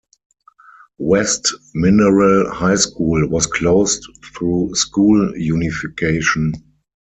West Mineral High School was closed through school unification.